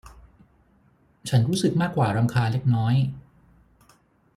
ฉันรู้สึกมากกว่ารำคาญเล็กน้อย